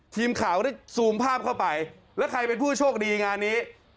ทีมข่าวได้ซูมภาพเข้าไปแล้วใครเป็นผู้โชคดีงานนี้